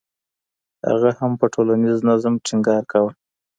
هغه هم په ټولنیز نظم ټینګار کاوه.